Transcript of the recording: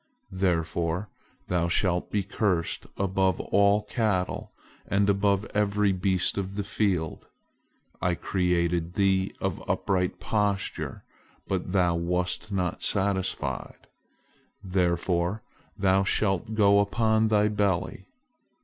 Therefore thou shalt be cursed above all cattle and above every beast of the field. I created thee of upright posture; but thou wast not satisfied. Therefore thou shalt go upon thy belly.